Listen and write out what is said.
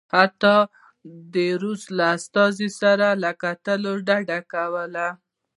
حتی د روس له استازي سره له کتلو ډډه کوله.